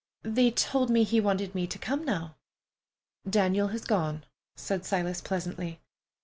"They told me he wanted me to come now." "Daniel has gone," said Silas pleasantly.